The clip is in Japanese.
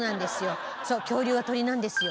そう恐竜は鳥なんですよ。